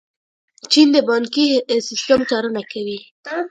چین د بانکي سیسټم څارنه کوي.